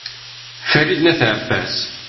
farid n at abbas